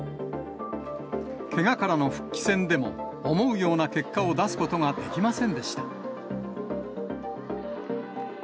けがからの復帰戦でも、思うような結果を出すことができませんでした。